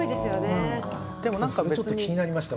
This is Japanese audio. でも何かちょっと気になりました